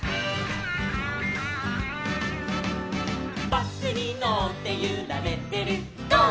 「バスにのってゆられてるゴー！